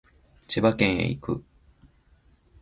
千葉県へ行く